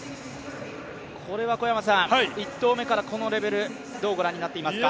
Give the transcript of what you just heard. １投目からこのレベル、どう御覧になっていますか？